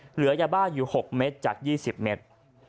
เหลือยาบ้าอยู่๖เมตรจาก๒๐เมตร